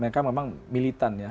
mereka memang militan ya